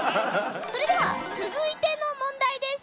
それでは続いての問題です。